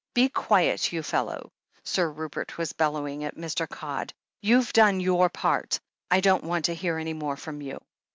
"Be quiet, you fellow!" Sir Rupert was bellowing at Mr. Codd. "You've done your part. I don't want to hear any more from you."